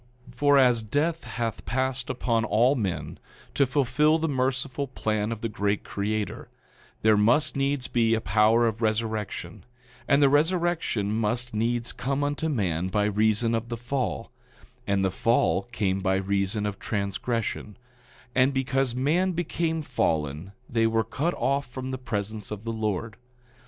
9:6 For as death hath passed upon all men, to fulfil the merciful plan of the great Creator, there must needs be a power of resurrection, and the resurrection must needs come unto man by reason of the fall; and the fall came by reason of transgression; and because man became fallen they were cut off from the presence of the Lord.